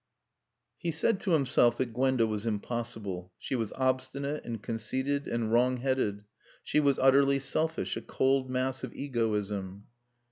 He said to himself that Gwenda was impossible. She was obstinate and conceited and wrong headed. She was utterly selfish, a cold mass of egoism.